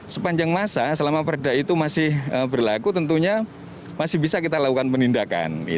sepanjang masa selama perda itu masih berlaku tentunya masih bisa kita lakukan penindakan